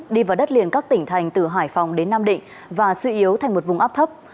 đi vào đất liền các tỉnh thành từ hải phòng đến nam định và suy yếu thành một vùng áp thấp